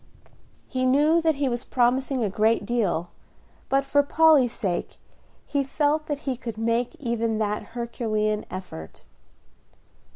He knew that he was promising a great deal, but for Polly's sake he felt that he could make even that Herculean effort.